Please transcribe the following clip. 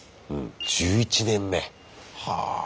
１１年目はあ。